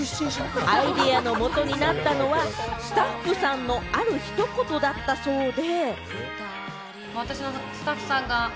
アイデアの元になったのは、スタッフさんのあるひと言だったそうで。